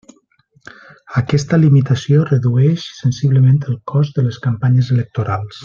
Aquesta limitació redueix sensiblement el cost de les campanyes electorals.